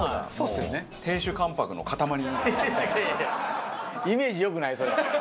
いやいやイメージ良くないそれは。